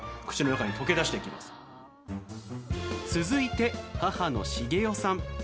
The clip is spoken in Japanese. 続いて母の茂世さん。